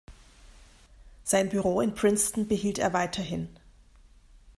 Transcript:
Sein Büro in Princeton behielt er weiterhin.